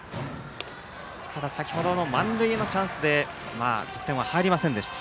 ただ先程の満塁のチャンスで得点は入りませんでした。